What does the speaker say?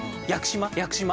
屋久島！